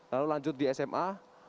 lalu lanjut di sma